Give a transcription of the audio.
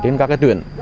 trên các tuyển